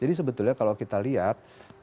jadi sebetulnya kalau kita lihat